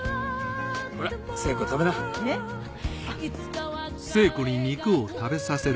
ほら聖子食べな。